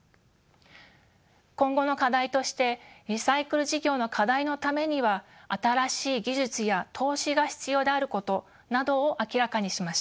今後の課題としてリサイクル事業の拡大のためには新しい技術や投資が必要であることなどを明らかにしました。